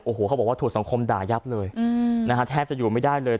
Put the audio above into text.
โอ้โหเขาบอกว่าถูกสังคมด่ายับเลยนะฮะแทบจะอยู่ไม่ได้เลย